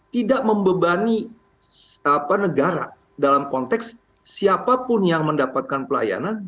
tidak membebani negara dalam konteks siapapun yang mendapatkan pelayanan